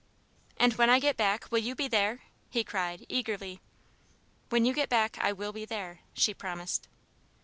"And when I get back, will you be there?" he cried, eagerly. "When you get back I will be there," she promised.